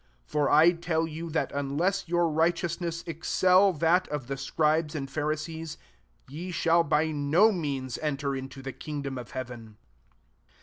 20 For I tell you, that unless your righteousness excel that of the Scribes and Phari sees, ye shall by no means enter into the kingdom of heaven.